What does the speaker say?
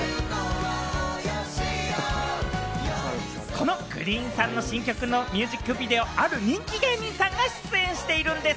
このＧＲｅｅｅｅＮさんの新曲のミュージックビデオ、ある人気芸人さんが出演しているんです。